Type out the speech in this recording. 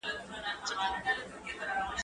زه کولای شم دا کار وکړم؟!